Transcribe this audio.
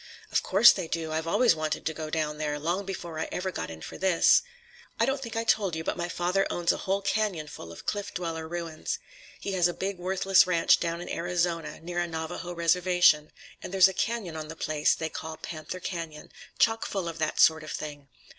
"Of course they do. I've always wanted to go down there—long before I ever got in for this." "I don't think I told you, but my father owns a whole canyon full of Cliff Dweller ruins. He has a big worthless ranch down in Arizona, near a Navajo reservation, and there's a canyon on the place they call Panther Canyon, chock full of that sort of thing.